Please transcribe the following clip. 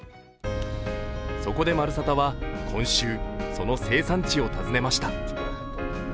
そこで「まるサタ」は今週その生産地を訪ねました。